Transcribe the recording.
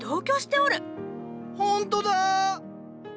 ほんとだ！